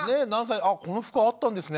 「あこの服あったんですね